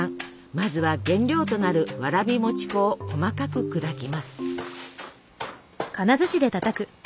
まずは原料となるわらび餅粉を細かく砕きます。